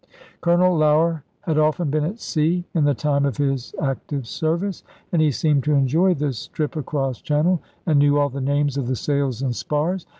Colonel Lougher had often been at sea, in the time of his active service, and he seemed to enjoy this trip across channel, and knew all the names of the sails and spars.